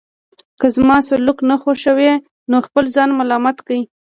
که زما سلوک نه خوښوئ نو خپل ځان ملامت کړئ.